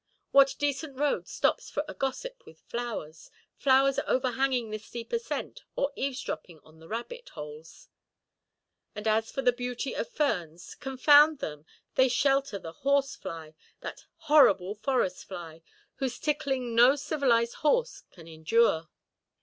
What decent road stops for a gossip with flowers—flowers overhanging the steep ascent, or eavesdropping on the rabbit–holes? And as for the beauty of ferns—confound them, they shelter the horse–fly—that horrible forest–fly, whose tickling no civilized horse can endure.